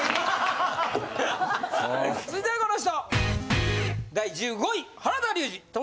続いてはこの人！